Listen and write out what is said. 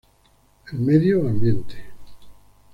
El medio ambiente.